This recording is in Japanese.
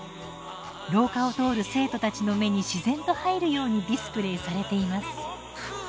廊下を通る生徒たちの目に自然と入るようにディスプレーされています。